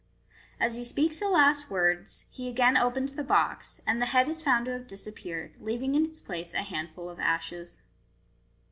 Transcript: As he speaks the last words, he again opens the box, and the head is found to have disappeared, leaving in its place a handful of ashes.